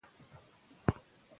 میل یوازې د بدن اړتیا نه ښيي.